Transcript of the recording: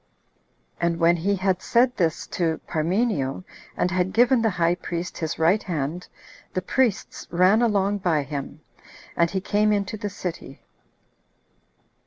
And when he had said this to Parmenio, and had given the high priest his right hand, the priests ran along by him, and he came into the city.